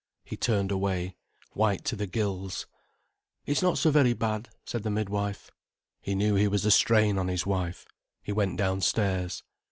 He turned away, white to the gills. "It's not so very bad," said the midwife. He knew he was a strain on his wife. He went downstairs.